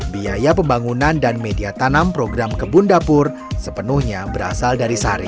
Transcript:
biaya pembangunan dan media tanam program kebun dapur sepenuhnya berasal dari sari